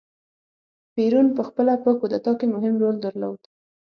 پېرون په خپله په کودتا کې مهم رول درلود.